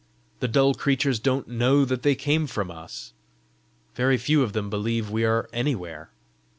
The dull creatures don't know that they come from us. Very few of them believe we are anywhere.